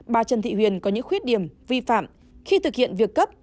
bà trần thị huyền có những khuyết điểm vi phạm khi thực hiện việc cấp